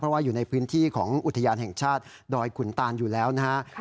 เพราะว่าอยู่ในพื้นที่ของอุทยานแห่งชาติดอยขุนตานอยู่แล้วนะครับ